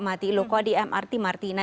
mati loh kok di mrt martina